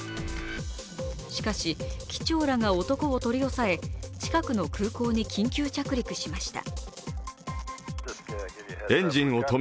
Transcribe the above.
しかし、機長らが男を取り押さえ近くの空港に緊急着陸しました。